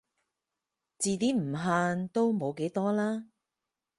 字典唔限都冇幾多啦